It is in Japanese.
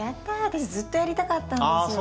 私ずっとやりたかったんですよ。